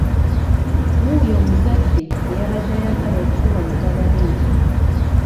Wuuyo omuzadde eyabadde ayagala okukuba mutabani we